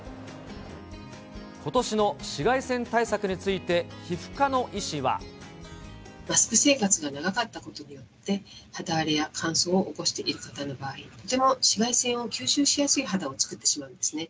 ことしの紫外線対策について、マスク生活が長かったことによって、肌荒れや乾燥を起こしている方の場合、とても紫外線を吸収しやすい肌を作ってしまうんですね。